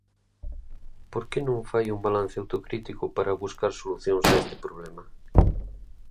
¿Por que non fai un balance autocrítico para buscar solucións a este problema?